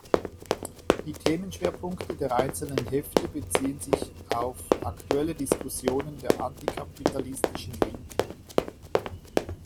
Die Themenschwerpunkte der einzelnen Hefte beziehen sich auf aktuelle Diskussionen der antikapitalistischen Linken.